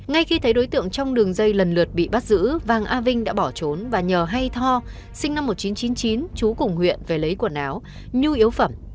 ngay khi thấy đối tượng trong đường dây lần lượt bị bắt giữ vàng a vinh đã bỏ trốn và nhờ hay tho sinh năm một nghìn chín trăm chín mươi chín chú cùng huyện về lấy quần áo nhu yếu phẩm